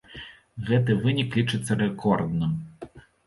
Гэты вынік лічыцца рэкордным.